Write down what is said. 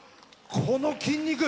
この筋肉！